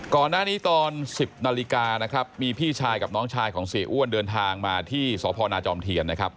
ก่อนหน้านี้ตอน๑๐นาฬิกานะครับมีพี่ชายกับน้องชายของเสียอ้วนเดินทางมาที่สพนาจอมเทียนนะครับ